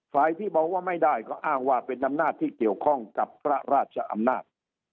ที่บอกว่าไม่ได้ก็อ้างว่าเป็นอำนาจที่เกี่ยวข้องกับพระราชอำนาจ